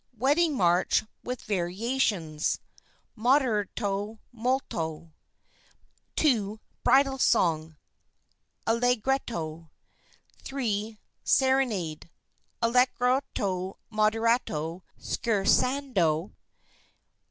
WEDDING MARCH, WITH VARIATIONS (Moderato molto) 2. BRIDAL SONG (Allegretto) 3. SERENADE (Allegretto moderato, scherzando) 4.